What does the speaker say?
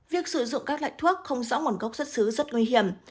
việc sử dụng các loại thuốc không rõ nguồn gốc xuất xứ rất nguy hiểm